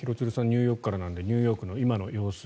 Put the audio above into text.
ニューヨークからなのでニューヨークの今の様子